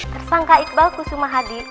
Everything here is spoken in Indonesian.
tersangka iqbal kusuma hadi